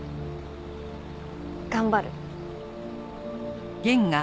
頑張る。